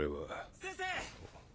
先生！